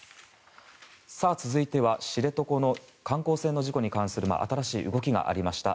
続いては知床の観光船の事故に関する新しい動きがありました。